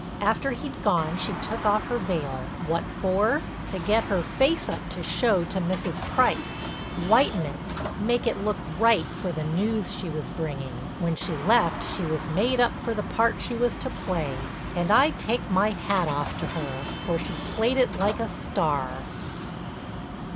After he'd gone she took off her veil—what for? To get her face up to show to Mrs. Price—whiten it, make it look right for the news she was bringing. When she left she was made up for the part she was to play. And I take my hat off to her, for she played it like a star."